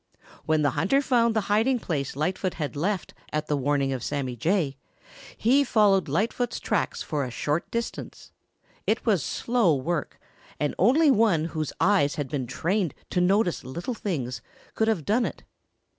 When the hunter found the hiding place Lightfoot had left at the warning of Sammy Jay he followed Lightfoot's tracks for a short distance. It was slow work, and only one whose eyes had been trained to notice little things could have done it.